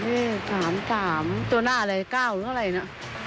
เห็นสามตัวหน้าอะไร๙หรืออะไรน่ะ